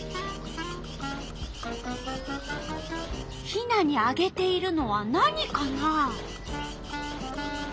ヒナにあげているのは何かな？